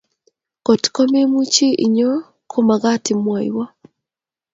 Kot ko memuchi inyo ko makat imwaywa